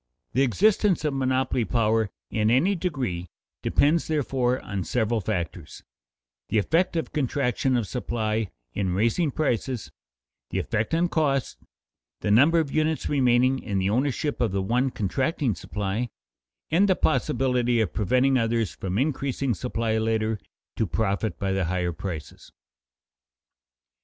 The existence of monopoly power in any degree depends therefore on several factors: the effect of contraction of supply in raising prices, the effect on costs, the number of units remaining in the ownership of the one contracting supply, and the possibility of preventing others from increasing supply later to profit by the higher prices.